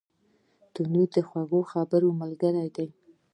تنور د خوږو خبرو ملګری دی